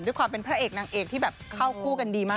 ด้วยความเป็นพระเอกนางเอกที่แบบเข้าคู่กันดีมาก